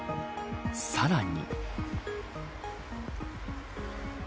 さらに。